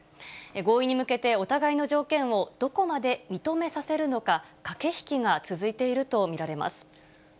合意に向けてお互いの条件をどこまで認めさせるのか、駆け引きが続いていると見られます。